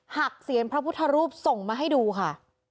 เสียนพระพุทธรูปส่งมาให้ดูค่ะ